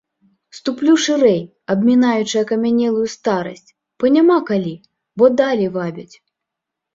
Ступлю шырэй, абмінаючы акамянелую старасць, бо няма калі, бо далі вабяць.